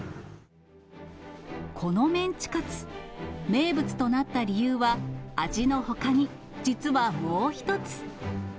このメンチカツ、名物となった理由は、味のほかに、実はもう一つ。